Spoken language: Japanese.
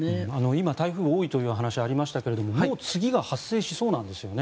今、台風が多いという話がありましたがもう次が発生しそうなんですよね。